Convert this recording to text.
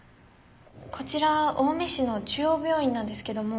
こちら青梅市の中央病院なんですけども。